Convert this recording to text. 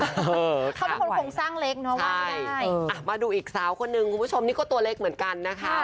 เขาเป็นคนโครงสร้างเล็กเนอะว่ามาดูอีกสาวคนนึงคุณผู้ชมนี่ก็ตัวเล็กเหมือนกันนะคะ